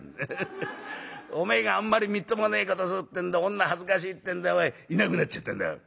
おめえがあんまりみっともねえことするってんで女恥ずかしいってんでいなくなっちゃったんだろ」。